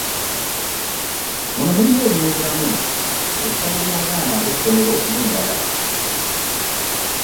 Muno mulimu eby'obulamu, ebisale by'abaana eby'essomero n'endala